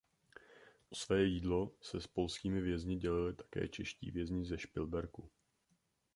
O své jídlo se s polskými vězni dělili také čeští vězni ze Špilberku.